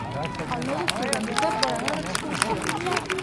El nou d'octubre en Josep vol anar d'excursió.